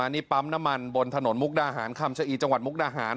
นี่ปั๊มน้ำมันบนถนนมุกดาหารคำชะอีจังหวัดมุกดาหาร